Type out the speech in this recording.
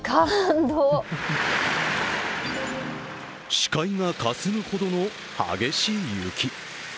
視界がかすむほどの激しい雪。